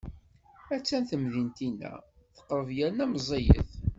A-tt-an temdint-inna, teqreb yerna meẓẓiyet.